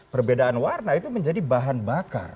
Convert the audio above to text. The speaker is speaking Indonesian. perbedaan warna itu menjadi bahan bakar